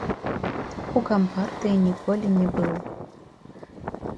У кампартыі ніколі не быў.